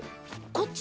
こっち？